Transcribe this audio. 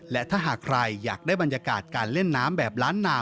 และถ้าหากใครอยากได้บรรยากาศการเล่นน้ำแบบล้านนา